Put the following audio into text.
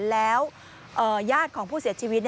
แล้วญาติของผู้เสียชีวิต